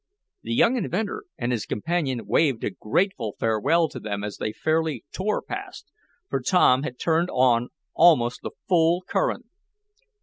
The young inventor and his companion waved a grateful farewell to them as they fairly tore past, for Tom had turned on almost the full current.